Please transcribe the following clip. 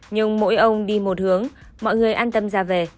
nhưng mỗi ông đi một hướng mọi người an tâm ra về